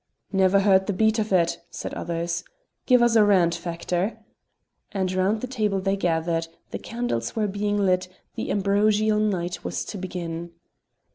"Never heard the beat of it!" said the others. "Give us a rant, Factor," and round the table they gathered: the candles were being lit, the ambrosial night was to begin.